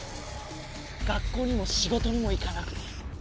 学校にも仕事にも行かなくていい。